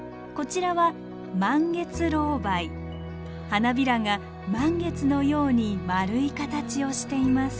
花びらが満月のように丸い形をしています。